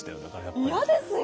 嫌ですよ！